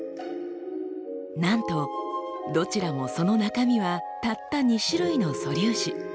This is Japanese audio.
なんとどちらもその中身はたった２種類の素粒子。